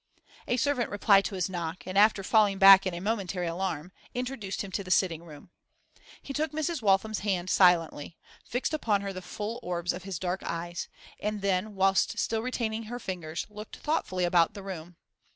A servant replied to his knock, and, after falling back in a momentary alarm, introduced him to the sitting room. He took Mrs. Waltham's hand silently, fixed upon her the full orbs of his dark eyes, and then, whilst still retaining her fingers, looked thoughtfully about the room.